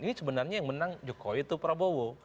ini sebenarnya yang menang jokowi itu prabowo